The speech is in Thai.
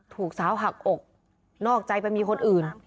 ถูกสาวหักอกนอกใจไปมีคนอื่น